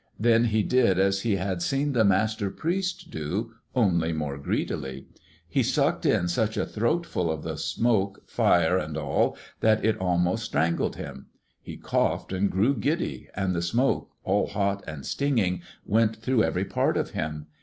Then he did as he had seen the Master Priest do, only more greedily. He sucked in such a throatful of the smoke, fire and all, that it almost strangled him. He coughed and grew giddy, and the smoke all hot and stinging went through every part of him.